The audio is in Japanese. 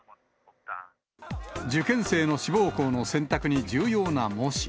受験生の志望校の選択に重要な模試。